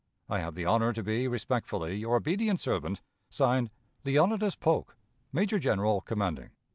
"I have the honor to be, respectfully, your obedient servant, (Signed) "Leonidas Polk, "Major General commanding."